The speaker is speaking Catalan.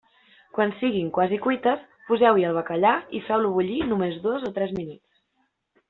Quan siguin quasi cuites, poseu-hi el bacallà i feu-lo bullir només dos o tres minuts.